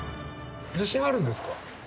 自信はあるんですか？